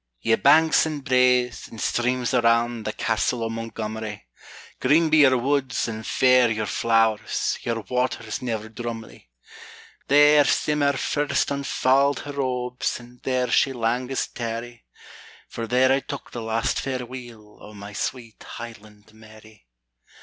Ye banks, and braes, and streams around The castle o' Montgomery, Green be your woods, and fair your flowers, Your waters never drumlie! There Simmer first unfald her robes And there she langest tarry! For there I took the last fareweel O' my sweet Highland Mary.